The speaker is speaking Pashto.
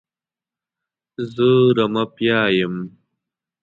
زه رمه پیايم.